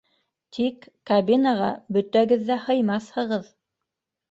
Тик кабинаға бөтәгеҙ ҙә һыймаҫһығыҙ.